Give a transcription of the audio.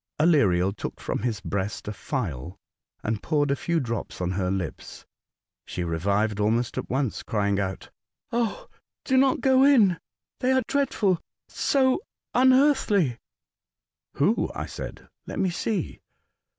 Aleriel took from his breast a phial, and poured a few drops on her lips. She revived almost at once, crying out, '' Oh, do not go in ! They are dreadful — so unearthly !" "Who ?" I said. " Let me see."